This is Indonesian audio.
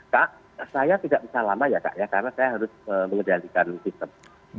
kak saya tidak bisa lama ya kak ya karena saya harus mengendalikan sistem